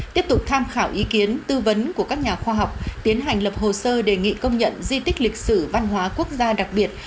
tiếp tục tham khảo ý kiến tư vấn của các nhà khoa học tiến hành lập hồ sơ đề nghị công nhận di tích lịch sử văn hóa quốc gia đặc biệt